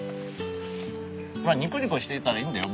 まあニコニコしていたらいいんだよ。